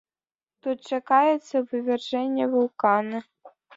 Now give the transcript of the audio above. Тут чакаецца вывяржэнне вулкана.